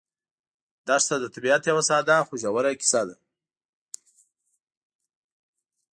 دښته د طبیعت یوه ساده خو ژوره کیسه ده.